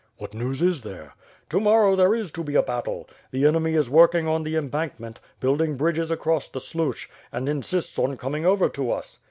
"What news is there?" "To morrow there is to be a battle. The enemy is work ing on the embankment, building bridges across the Sluch, and insists on coming over to us."